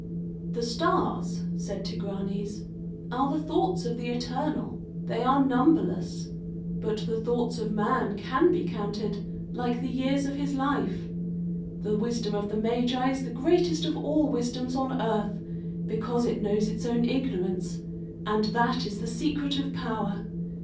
"The stars," said Tigranes, "are the thoughts of the Eternal. They are numberless. But the thoughts of man can be counted, like the years of his life. The wisdom of the Magi is the greatest of all wisdoms on earth, because it knows its own ignorance. And that is the secret of power.